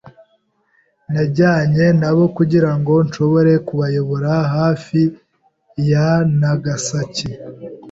Najyanye nabo kugirango nshobore kubayobora hafi ya Nagasaki.